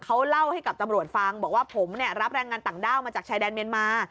เขาเล่าให้กับตำรวจฟังบอกว่าผมเนี่ยรับแรงงานต่างด้าวมาจากชายแดนเมียนมา